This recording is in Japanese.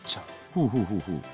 ほうほうほうほう。